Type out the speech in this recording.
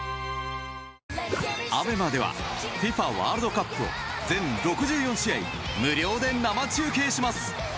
ＡＢＥＭＡではＦＩＦＡワールドカップを全６４試合無料で生中継します。